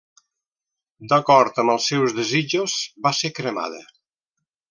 D'acord amb els seus desitjos va ser cremada.